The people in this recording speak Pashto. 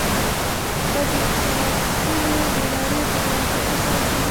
دا د طرفینو د ارادې په توافق ترسره کیږي.